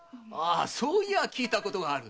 そういや聞いたことがある。